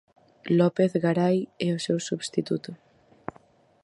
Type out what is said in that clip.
López Garai é o seu substituto.